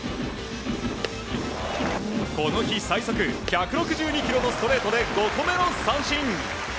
この日最速１６２キロのストレートで５個目の三振。